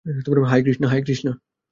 High, Krishna.